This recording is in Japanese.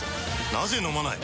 なぜ飲まない？